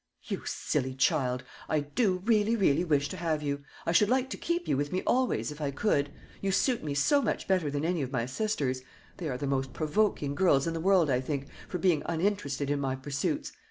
"You silly child! I do really, really wish to have you. I should like to keep you with me always, if I could. You suit me so much better than any of my sisters; they are the most provoking girls in the world, I think, for being uninterested in my pursuits.